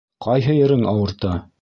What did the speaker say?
Ҡайһы ерең ауырта?